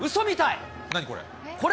何これ。